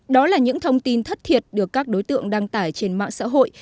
đó là những thông tin thất thiệt được các đối tượng đăng tải trên mạng xã hội